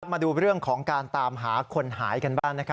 มาดูเรื่องของการตามหาคนหายกันบ้าง